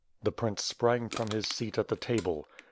The prince sprang from his seat at the table.